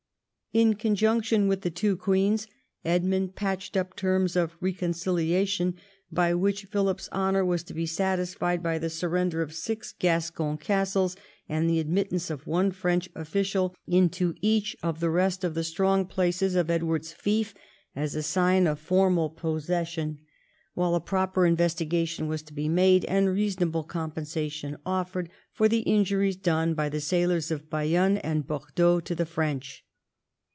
In conjunction with the two queens, Edmund patched up terms of reconcilia tion, by which Philip's honour was to be satisfied by the surrender of six Gascon castles, and the admittance of one French official into each of the rest of the strong places of Edward's fief as a sign of formal possession, 182 EDWARD I chap. while a proper investigation was to be made, and reason able compensation offered, for the injuries done by the sailors of Bayonne and Bordeaux to the French.